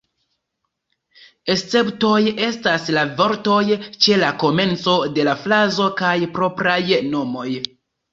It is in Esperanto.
Esceptoj estas la vortoj ĉe la komenco de la frazo kaj propraj nomoj.